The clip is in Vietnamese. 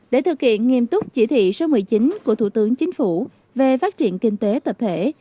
để thực hiện nghiêm túc chỉ thị số một mươi chín của thủ tướng chính phủ về phát triển kinh tế tập thể